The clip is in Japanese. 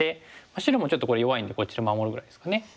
白もちょっとこれ弱いのでこちら守るぐらいですかね。